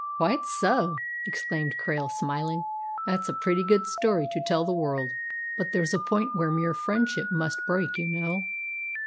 "Quite so!" exclaimed Krail, smiling. "That's a pretty good story to tell the world. But there's a point where mere friendship must break, you know."